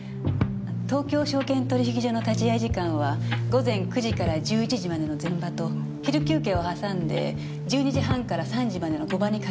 東京証券取引所の立会い時間は午前９時から１１時までの前場と昼休憩を挟んで１２時半から３時までの後場に限られています。